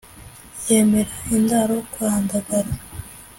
yemera indaro kwa ndagara